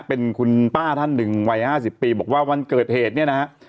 เป็นคุณป้าท่านหนึ่งวัย๕๐ปีบอกว่าวันเกิดเหตุเนี่ยนะฮะ